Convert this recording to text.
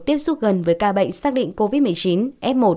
tiếp xúc gần với ca bệnh xác định covid một mươi chín